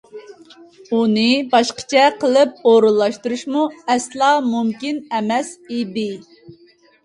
ئۇنى باشقىچە قىلىپ ئورۇنلاشتۇرۇشمۇ ئەسلا مۇمكىن ئەمەس ئىدى.